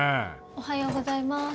おはようございます。